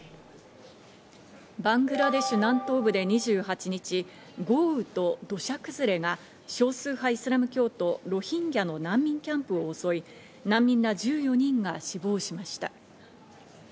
バングラデシュ南東部で２８日、豪雨と土砂崩れが少数派イスラム教徒、ロヒンギャの難民キャンプを襲い、難民ら１４人が死亡しました。